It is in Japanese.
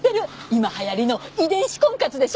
今流行りの遺伝子婚活でしょ！